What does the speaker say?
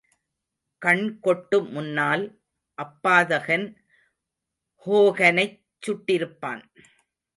கண்கொட்டு முன்னால் அப்பாதகன் ஹோகனைச் சுட்டிருப்பான்.